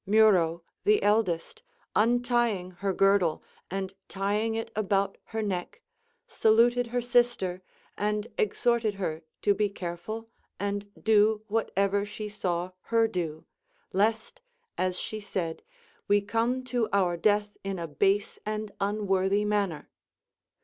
Muro, the eldest, untying her girdle and tying it about her neck, saluted her sister, and exhorted her to be careful and do whatever she saw her do ; lest (as she said) we come to our death in a base and unworthy manner.